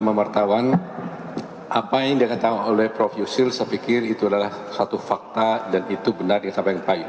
pak wartawan apa yang dikatakan oleh prof yusril saya pikir itu adalah satu fakta dan itu benar yang disampaikan pak yusu